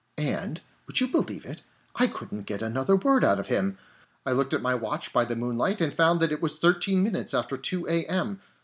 And, would you believe it? I couldn't get another word out of him! I looked at my watch by the moonlight, and found that it was thirteen minutes after two a. m.